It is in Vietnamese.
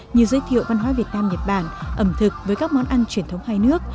như giới thiệu văn hóa việt nam nhật bản ẩm thực với các món ăn truyền thống hai nước